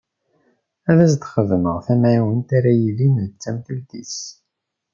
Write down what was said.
Ad s-d-xedmeɣ tamɛiwent ara yilin d tamtilt-is.